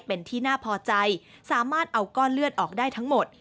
เป็นที่น่าพอใจสามารถเอาก้อนเลือดออกได้ทั้งหมด